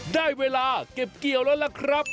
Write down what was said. ได้เวลาเก็บเกี่ยวแล้วล่ะครับ